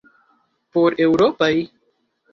Por eŭropaj?